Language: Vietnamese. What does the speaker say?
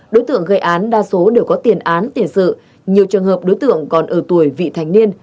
đối tượng gây án đa số đều có tiền án tiền sự nhiều trường hợp đối tượng còn ở tuổi vị thành niên